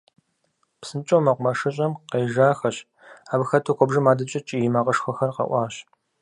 ПсынщӀэу мэкъумэшыщӀэм къежахэщ, абы хэту куэбжэм адэкӀэ кӀий макъышхуэхэр къэӀуащ.